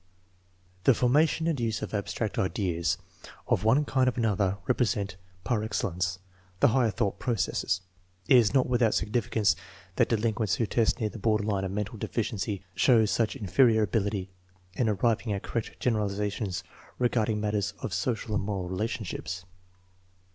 The formation and use of abstract ideas, of one kind or another, represent, par excellence, the " higher thought processes." It is not without significance that delinquents who test near the border line of mental deficiency show such inferior ability in arriving at correct generalizations regarding matters of social and moral relationships.